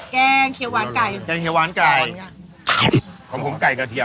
แคล่าล๋ามเนี่ย